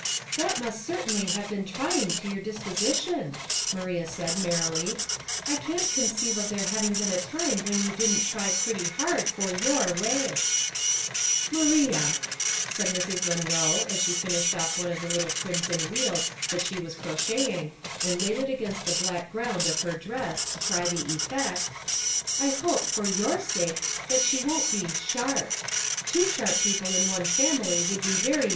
" That must certainly have been trying to your disposition," Maria said, merrily. " 1 can't conceive of there having been a time when you didn't try pretty hard for your way." 198 Household Puzzles, "Maria," said Mrs. Munroe, as she finished one of the little crimson wheels that she was cro cheting, and laid it against the black ground of her dress, to try the effect ;'' I hope, for your sake, that she won't be ' i^harp' Two sharp peo ple in one family would be very